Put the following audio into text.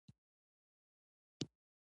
سیلانی ځایونه د افغان ښځو په ژوند کې رول لري.